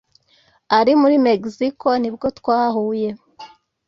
Ari muri Mexico nibwo twahuye